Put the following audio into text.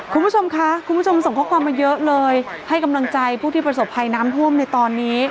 คุณผู้ชมคะคุณผู้ชมส่งข้อความมาเยอะเลยให้กำลังใจผู้ที่ประสบภัยน้ำท่วมในตอนนี้